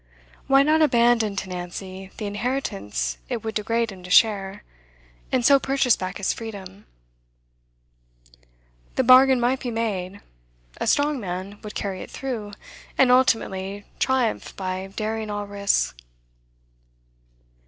Why not abandon to Nancy the inheritance it would degrade him to share, and so purchase back his freedom? The bargain might be made; a strong man would carry it through, and ultimately triumph by daring all risks.